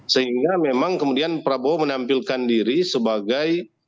sehingga memang kemudian prabowo menampilkan diri sebagai